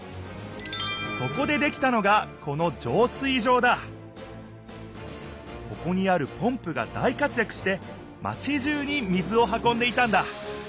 そこでできたのがこのここにあるポンプが大活やくしてマチじゅうに水を運んでいたんだ。